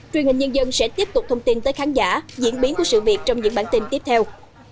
truyền hình nhân dân sẽ tiếp tục thông tin tới khán giả diễn biến của sự việc trong những bản tin tiếp theo